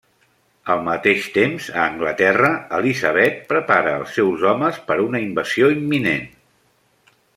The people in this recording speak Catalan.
Al mateix temps, a Anglaterra, Elisabet prepara els seus homes per una invasió imminent.